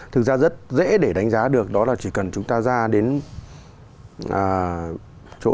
thực ra rất dễ để đánh giá được đó là chỉ cần chúng ta ra đến chỗ